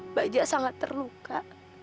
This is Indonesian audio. mbak jaya sangat terluka